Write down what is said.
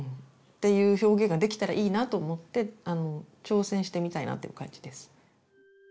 ていう表現ができたらいいなと思って挑戦してみたいなっていう感じです。